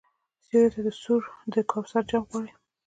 سیوري ته سوړ د کوثر جام غواړي